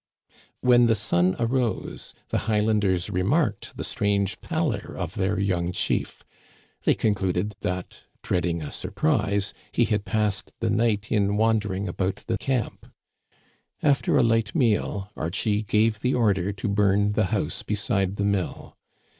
When the sun arose, the Highlanders remarked the strange pallor of their young chief. They concluded that, dreading a surprise, he had passed the night in wandering about the camp. After a light meal, Archie gave the order to bum the house beside the mill.